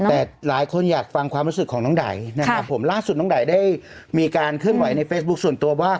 แต่หลายคนอยากฟังความรู้สึกของน้องไดนะครับผมล่าสุดน้องไดได้มีการเคลื่อนไหวในเฟซบุ๊คส่วนตัวว่า